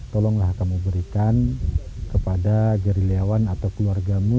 tolonglah kamu berikan kepada gerilyawan atau keluargamu